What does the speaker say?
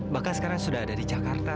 bahkan sekarang sudah ada di jakarta